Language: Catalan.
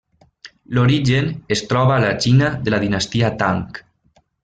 L'origen es troba a la Xina de la dinastia Tang.